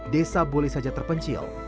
desa boleh saja terpencil